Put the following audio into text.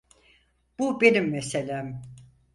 Bu benim meselem.